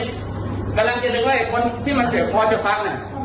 กำลังจะนึกว่าไอ้คนที่มันเจ็บคอจะฟัง